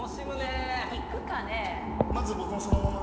まず僕もそのまま。